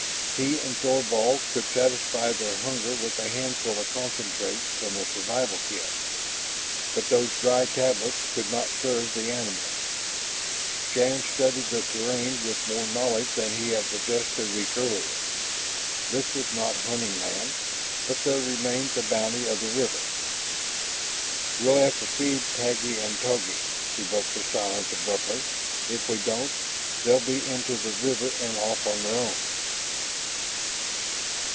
He and Thorvald could satisfy their hunger with a handful of concentrates from the survival kit. But those dry tablets could not serve the animals. Shann studied the terrain with more knowledge than he had possessed a week earlier. This was not hunting land, but there remained the bounty of the river. "We'll have to feed Taggi and Togi," he broke the silence abruptly. "If we don't, they'll be into the river and off on their own."